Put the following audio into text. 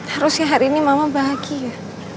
harusnya hari ini mama bahagia